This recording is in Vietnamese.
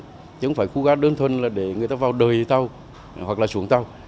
chứ không phải khu ga đơn thuần là để người ta vào đời tàu hoặc là xuống tàu